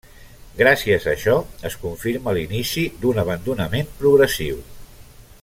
Gràcies a això es confirma l'inici d'un abandonament progressiu.